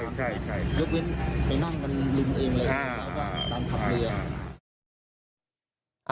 ใช่ยกเว้นไปนั่งกันลุมเองเลยแล้วก็ดันขับเรือ